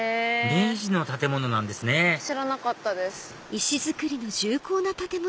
明治の建物なんですね知らなかったです。